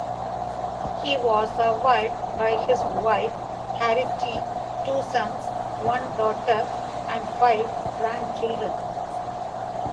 He was survived by his wife, Harriet, two sons, one daughter, and five grandchildren.